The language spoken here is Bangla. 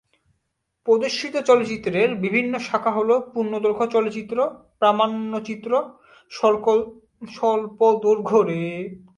প্রদর্শিত চলচ্চিত্রের বিভিন্ন শাখা হল পূর্ণদৈর্ঘ্য চলচ্চিত্র, প্রামাণ্যচিত্র, স্বল্পদৈর্ঘ্য চলচ্চিত্র, ফিরে দেখা, পারিবারিক চলচ্চিত্র এবং অ্যানিমেশন।